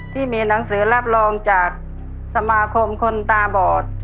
ที่มีหนังสือรับรองจากสมาคมคนตาบอด